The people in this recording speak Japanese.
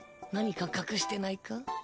何か隠してないか？